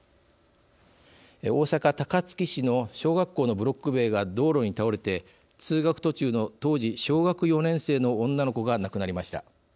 大阪・高槻市の小学校のブロック塀が道路に倒れて、通学途中の当時、小学４年生の女の子が亡くなりました。